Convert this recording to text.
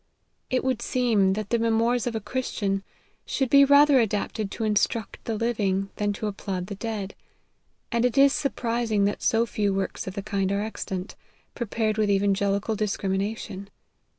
It would seem, that the Memoirs of a Christian should be rather adapted to instruct the living, than to applaud the dead ; and it is surprising that so few works of the kind are extant, prepared with evangelical discrimination.